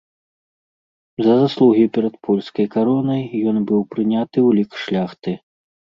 За заслугі перад польскай каронай ён быў прыняты ў лік шляхты.